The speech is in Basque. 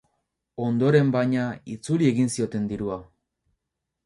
Ondoren, baina, itzuli egin zioten dirua.